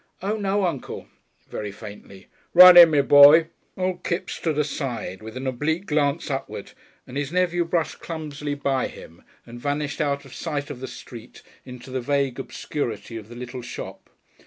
"Oh, no, uncle!" very faintly. "Run in, my boy." Old Kipps stood aside, with an oblique glance upward, and his nephew brushed clumsily by him and vanished out of sight of the street, into the vague obscurity of the little shop.